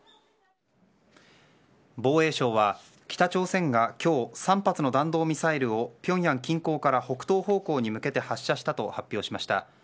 防衛省は、北朝鮮が今日３発の弾道ミサイルをピョンヤン近郊から北東方向に向けて発射したと発表しました。